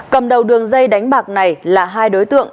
cầm đầu đường dây đánh bạc này là hai đối tượng